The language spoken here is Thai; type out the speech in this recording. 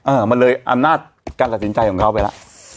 เออมันเลยอำนาจการตัดสินใจของเขาไปแล้ว